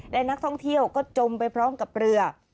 และนักท่องเที่ยวก็จมไปพร้อมกับเรือ